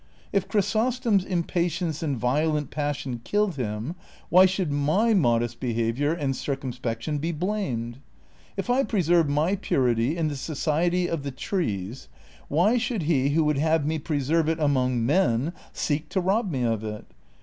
If Chrysostom's impatience and vio lent passion killed him, why should my modest behavior and circumspection be blamed ? If I preserve my purity in the society of the trees, why should he who would have me pre serve it among men, seek to rob me of it